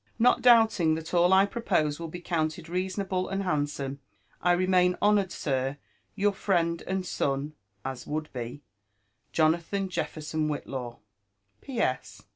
Not doubting that all I propose will be counted reasonable and handsome, <* 1 remain, honoured sir, *^ Your friend and son (as would be) Jonathan Jeffsrson Whitliw. '< P.S.